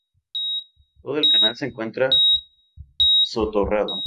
Todo el canal se encuentra soterrado.